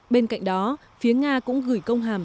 bên cạnh đó phía nga cũng gửi công hàm